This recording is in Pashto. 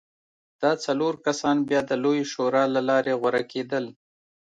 دا څلور کسان بیا د لویې شورا له لارې غوره کېدل.